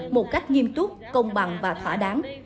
một cách nghiêm túc công bằng và thỏa đáng